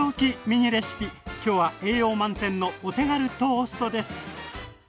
きょうは栄養満点のお手軽トーストです！